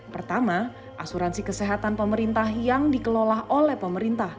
pertama asuransi kesehatan pemerintah yang dikelola oleh pemerintah